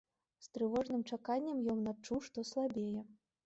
З трывожным чаканнем ён адчуў, што слабее.